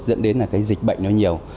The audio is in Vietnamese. dẫn đến là cái dịch bệnh nó nhiều